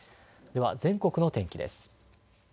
では全国の天気です。